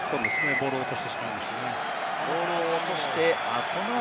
ボールを落としてしまいました。